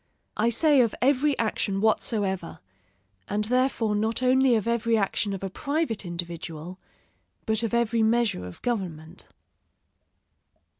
I say of every action whatsoever; and therefore not only of every action of a private individual, but of every measure of government.